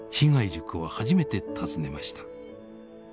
塾を初めて訪ねました。